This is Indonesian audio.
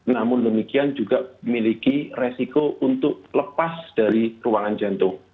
namun demikian juga miliki resiko untuk lepas dari ruangan jantung